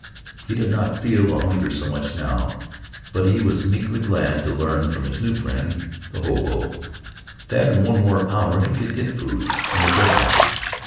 He did not feel the hunger so much now, but he was meekly glad to learn from his new friend, the hobo, that in one more hour he could get food in the bread line.